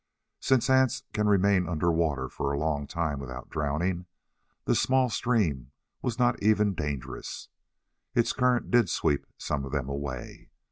Since ants can remain underwater for a long time without drowning, the small stream was not even dangerous. Its current did sweep some of them away.